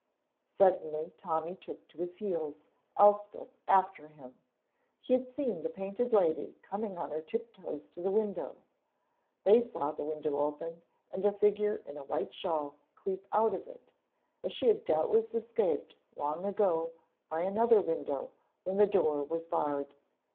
Suddenly Tommy took to his heels, Elspeth after him. He had seen the Painted Lady coming on her tip toes to the window. They saw the window open and a figure in a white shawl creep out of it, as she had doubtless escaped long ago by another window when the door was barred.